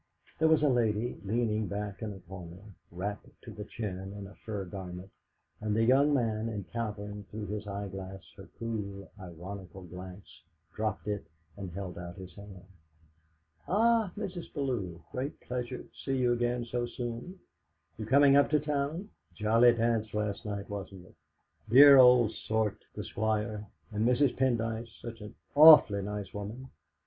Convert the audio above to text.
There was a lady leaning back in a corner, wrapped to the chin in a fur garment, and the young man, encountering through his eyeglass her cool, ironical glance, dropped it and held out his hand. "Ah, Mrs. Bellew, great pleasure t'see you again so soon. You goin' up to town? Jolly dance last night, wasn't it? Dear old sort, the Squire, and Mrs. Pendyce such an awf'ly nice woman."